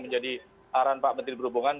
menjadi arahan pak menteri perhubungan